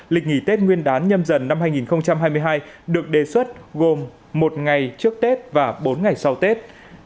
lịch nghỉ tết nguyên đán nhâm dần năm hai nghìn hai mươi hai được đề xuất gồm một ngày trước tết và bốn ngày sau tết